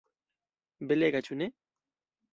Belega, ĉu ne?